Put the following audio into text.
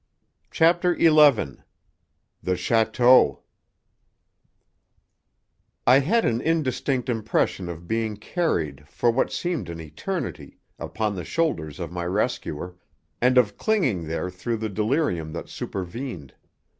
CHAPTER XI THE CHÂTEAU I had an indistinct impression of being carried for what seemed an eternity upon the shoulders of my rescuer, and of clinging there through the delirium that supervened.